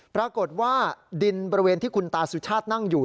ปรากฏว่าดินบริเวณที่คุณตาสุชาตินั่งอยู่